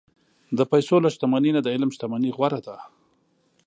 د پیسو له شتمنۍ نه، د علم شتمني غوره ده.